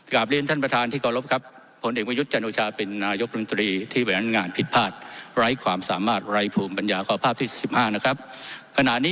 กราบรียนท่านประธานที่ขอรับครับผลเอกวิยุธแจนโรชาปินนายกรุงตรี